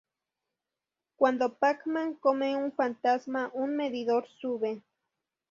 Cuando Pac-Man come un fantasma, un medidor sube.